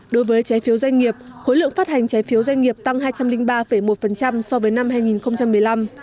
đối với trái phiếu doanh nghiệp khối lượng phát hành trái phiếu doanh nghiệp tăng hai trăm linh ba một so với năm hai nghìn một mươi năm